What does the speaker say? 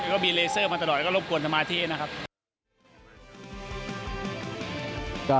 ก็มีเลเซอร์มาตลอดแล้วก็รบกวนสมาธินะครับ